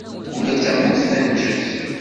Ula d tamurt tenǧes.